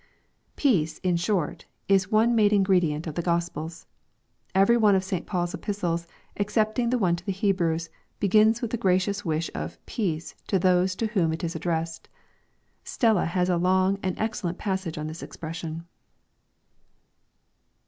Peace, in short, is one main ingredient of the gospel Every one of St Paul's epistles, excepting the one to the Hebrews, be gins with a gracious wish of " peace" to those to whom it is ad dressed. Stella has a long and excellent passage on this expression.